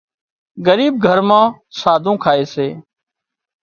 ڳريٻ گھر مان ساڌُون کائي سي